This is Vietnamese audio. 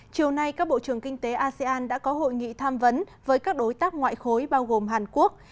chiều nay các bộ trưởng kinh tế asean đã có hội nghị tham vấn với các đối tác ngoại khối bao gồm hàn quốc